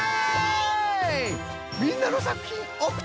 みんなのさくひんおくっとくれよ！